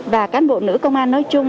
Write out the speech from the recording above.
và cán bộ nữ công an nói chung